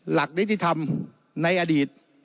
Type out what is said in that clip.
หลักนิติธรรมในอดีต